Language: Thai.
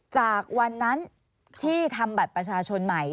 จากวันนั้นที่ทำบัตรประชาชนใหม่